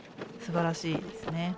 すばらしいですね。